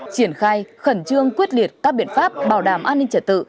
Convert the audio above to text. triển khai khẩn trương quyết liệt các biện pháp bảo đảm an ninh trật tự